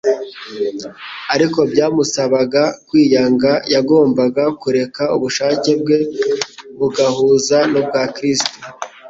Ariko byamusabaga kwiyanga; yagombaga kureka ubushake bwe bugahuza n'ubwa Kristo.